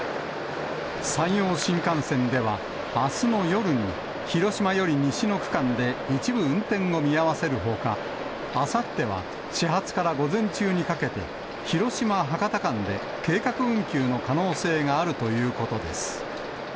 山陽新幹線では、あすの夜に、広島より西の区間で一部運転を見合わせるほか、あさっては始発から午前中にかけて、広島・博多間で計画運休の可能性があるということです。